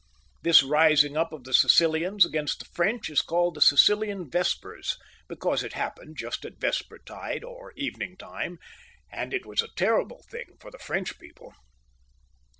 This rising up of the Sicilians against the French is called the Sicilian Vespeiis, because it happened, as I said, 128 , PHILIP III {LE HARDiy [CH. just at vesper tide, or evening time, and it was a terrible thing for the French people.